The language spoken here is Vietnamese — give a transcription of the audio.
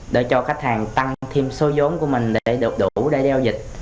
để cho khách hàng tăng thêm số giốn của mình để được đủ để giao dịch